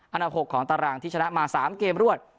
อันดับ๖ของตารางที่ชนะมา๓เกมรวด